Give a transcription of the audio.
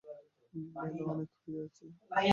বেলা অনেক হইয়াছে।